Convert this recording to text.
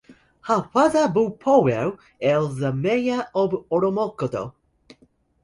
Her father Bob Powell is the mayor of Oromocto.